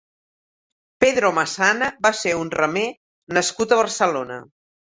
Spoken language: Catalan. Pedro Massana va ser un remer nascut a Barcelona.